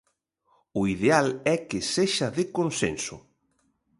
O ideal é que sexa de consenso.